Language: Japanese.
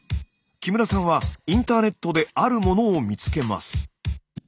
木村さんはインターネットであるものを見つけます。